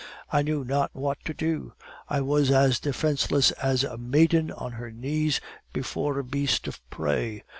I knew not what to do; I was as defenceless as a maiden on her knees before a beast of prey.